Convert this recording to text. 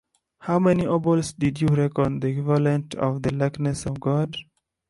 How many obols did you reckon the equivalent of the likeness of God?